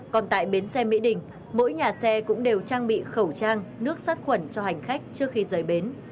còn tại bến xe mỹ đình mỗi nhà xe cũng đều trang bị khẩu trang nước sát khuẩn cho hành khách trước khi rời bến